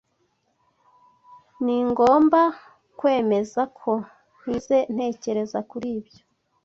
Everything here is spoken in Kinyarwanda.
Ningomba kwemeza ko ntigeze ntekereza kuri ibyo.